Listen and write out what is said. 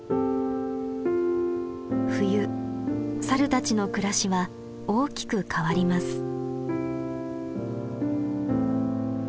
冬サルたちの暮らしは大きく変わります。